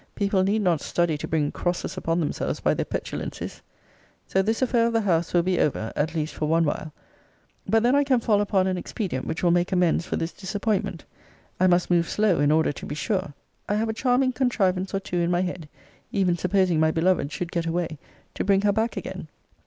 people need not study to bring crosses upon themselves by their petulancies. So this affair of the house will be over; at least for one while. But then I can fall upon an expedient which will make amends for this disappointment. I must move slow, in order to be sure. I have a charming contrivance or two in my head, even supposing my beloved should get away, to bring her back again.